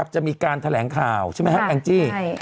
จะมีการแถลงข่าวใช่ไหมฮะแอลล์จี้